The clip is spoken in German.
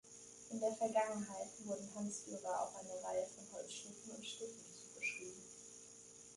In der Vergangenheit wurden Hans Dürer auch eine Reihe von Holzschnitten und Stichen zugeschrieben.